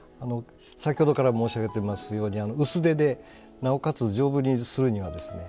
先ほどから申し上げてますように薄手でなおかつ丈夫にするにはですね